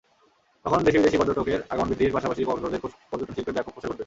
তখন দেশি-বিদেশি পর্যটকের আগমন বৃদ্ধির পাশাপাশি কক্সবাজারের পর্যটনশিল্পের ব্যাপক প্রসার ঘটবে।